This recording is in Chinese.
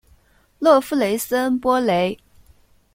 勒夫雷斯恩波雷。